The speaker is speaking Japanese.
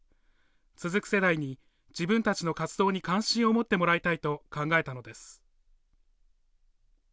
続く世代に自分たちの活動に関心を持ってもらいたいと考えたのです。